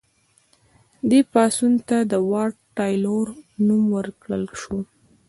دې پاڅون ته د واټ تایلور نوم ورکړل شو.